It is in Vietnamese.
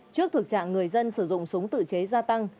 trước thực trạng người dân sử dụng súng tự chế gia tăng